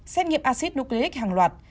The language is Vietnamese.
xét nghiệm acid nucleic hàng loạt